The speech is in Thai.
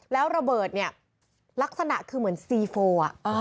แล้วระเบิดเนี่ยลักษณะคือเหมือนซีโฟ